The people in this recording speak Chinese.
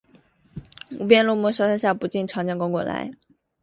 无边落木萧萧下，不尽长江滚滚来